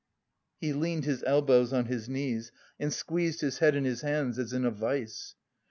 He leaned his elbows on his knees and squeezed his head in his hands as in a vise.